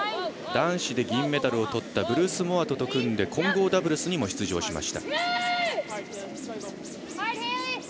男子で銀メダルをとったブルース・モアトと組んで混合ダブルスにも出場しました。